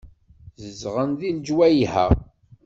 Zedɣen deg lejwayeh-a.